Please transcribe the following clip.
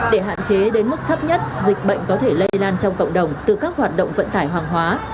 để hạn chế đến mức thấp nhất dịch bệnh có thể lây lan trong cộng đồng từ các hoạt động vận tải hàng hóa